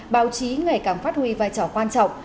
báo chí ngày càng phát huy vai trò quan trọng